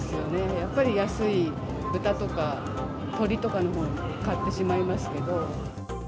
やっぱり安い豚とか鶏とかのほう買ってしまいますけど。